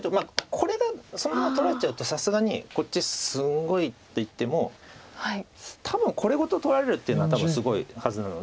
これがそのまま取られちゃうとさすがにこっちすごいっていっても多分これごと取られるっていうのはすごいはずなので。